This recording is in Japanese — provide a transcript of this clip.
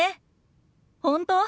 本当？